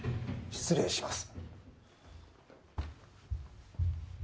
失礼します。